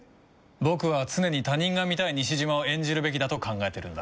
僕は常に他人が見たい西島を演じるべきだと考えてるんだ。